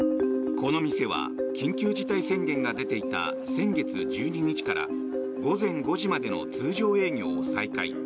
この店は緊急事態宣言が出ていた先月１２日から午前５時までの通常営業を再開。